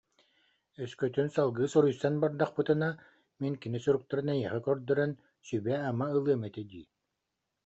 Өскөтүн салгыы суруйсан бардахпытына, мин кини суруктарын эйиэхэ көрдөрөн, сүбэ-ама ылыам этэ дии